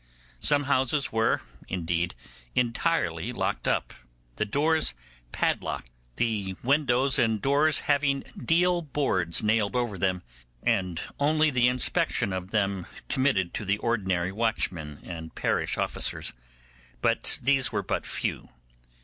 Some houses were, indeed, entirely locked up, the doors padlocked, the windows and doors having deal boards nailed over them, and only the inspection of them committed to the ordinary watchmen and parish officers; but these were but few.